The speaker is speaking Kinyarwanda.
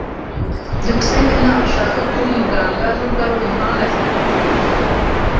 byukusenge ntashaka kuba umuganga, nubwo ari umuhanga cyane mubumenyi.